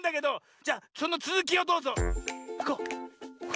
じゃそのつづきをどうぞ。